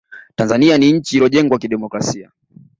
tanzania ni nchi iliyojengwa kidemokrasia